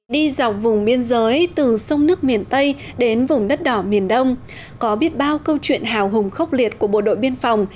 đi dọc vùng biên giới từ sông nước miền tây đến vùng đất đỏ miền đông có biết bao câu chuyện hào hùng khốc liệt của bộ đội biên phòng